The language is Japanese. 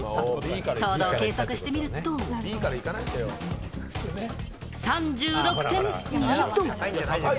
糖度を計測してみると、３６．２度。